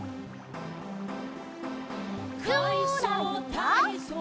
「かいそうたいそう」